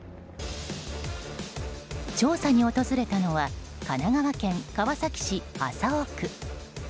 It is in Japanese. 調査に訪れたのは神奈川県川崎市麻生区。